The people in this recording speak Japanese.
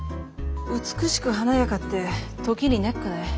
美しく華やかって時にネックね。